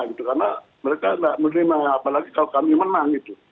karena mereka tidak menerima apalagi kalau kami menang